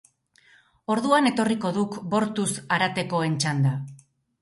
Orduan etorriko duk bortuz haratekoen txanda.